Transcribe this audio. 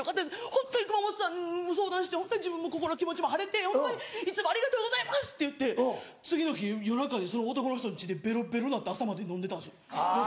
ホントに熊元さんに相談して自分の心気持ちも晴れていつもありがとうございます！」って言って次の日夜中にその男の人のうちでベロベロになって朝まで飲んでたんです。